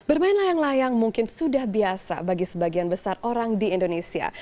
bermain layang layang mungkin sudah biasa bagi sebagian besar orang di indonesia